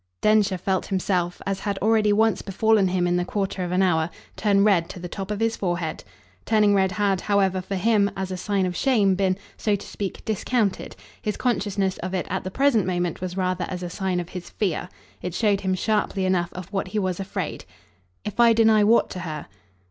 Densher felt himself as had already once befallen him in the quarter of an hour turn red to the top of his forehead. Turning red had, however, for him, as a sign of shame, been, so to speak, discounted: his consciousness of it at the present moment was rather as a sign of his fear. It showed him sharply enough of what he was afraid. "If I deny what to her?"